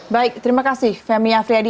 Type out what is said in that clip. baik terima kasih femya freyadi